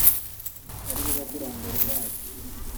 aribo Bakurambere bacu